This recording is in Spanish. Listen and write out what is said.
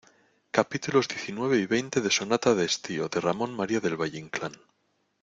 capítulos diecinueve y veinte de Sonata de Estío, de Ramón María del Valle-Inclán.